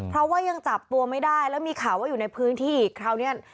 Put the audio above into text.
เพราะว่ายังจับตัวไม่ได้แล้วมีข่าวว่าอยู่ในพื้นที่อีกคราวนี้